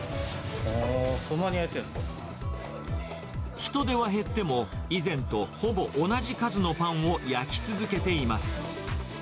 人手は減っても、以前とほぼ同じ数のパンを焼き続けています。